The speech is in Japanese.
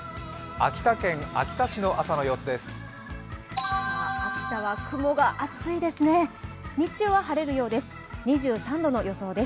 秋田県秋田市の朝の様子です。